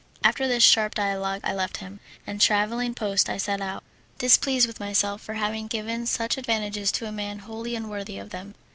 After this sharp dialogue I left him, and travelling post I set out, displeased with myself for having given such advantages to a man wholly unworthy of them.